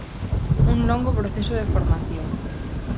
Un longo proceso de formación.